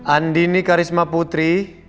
andini karisma putri